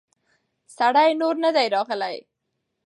سړی نور نه دی راغلی.